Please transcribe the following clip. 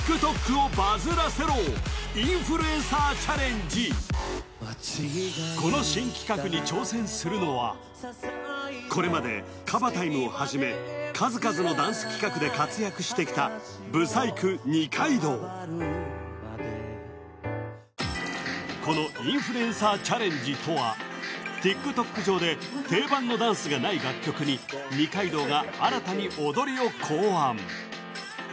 それはこの新企画に挑戦するのはこれまでＫＡＢＡ．タイムをはじめ数々のダンス企画で活躍してきた舞祭組・二階堂このインフルエンサーチャレンジとはＴｉｋＴｏｋ上で定番のダンスがない楽曲に二階堂が新たに踊りを考案